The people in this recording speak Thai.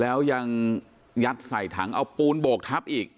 แล้วยังยัดใส่ถังเอาปูนโบกทับอีก